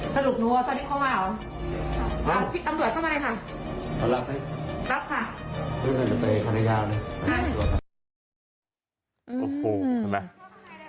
สรุปหนูอ่าสดีเข้ามาเหรอพี่ตำรวจเข้ามาเลยค่ะเอาละไปรับค่ะ